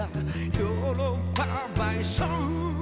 「ヨーロッパバイソン」